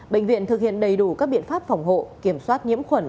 bệnh viện thực hiện đầy đủ các biện pháp phòng hộ kiểm soát nhiễm khuẩn